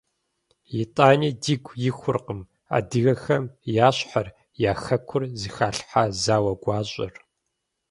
Итӏани, дигу ихуркъым адыгэхэм я щхьэр, я Хэкур зыхалъхьа зауэ гуащӏэр.